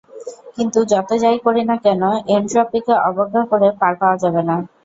কিন্তু যত যা–ই করি না কেন, এনট্রপিকে অবজ্ঞা করে পার পাওয়া যাবে না।